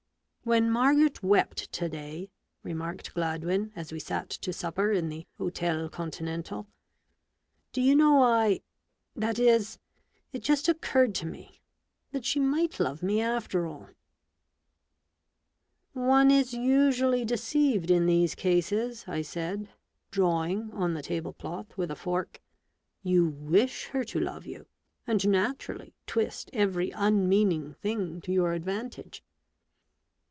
" "When Margaret wept to day," remarked Gladwin, as we sat to supper in the Hotel Continental, "do you know I — that is, it just occurred to me, that she might love me after all !"" One is usually deceived in these cases," I said, drawing on the table cloth with a fork. "You wish her to love you, and naturally twist every unmeaning thing to your advantage."